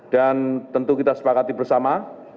dan tentu kita sepakati bersama